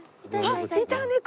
あっいた猫。